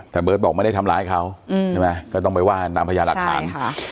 แต่เบิร์ตบอกไม่ได้ทำร้ายเขาใช่ไหมก็ต้องไปว่าตามพญาหลักฐาน